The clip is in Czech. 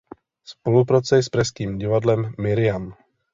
Spolupracuje s pražským divadlem Miriam.